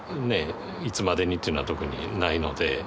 いつまでにというのは特にないので。